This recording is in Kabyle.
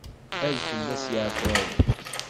Ad fell-as yeɛfu Ṛebbi.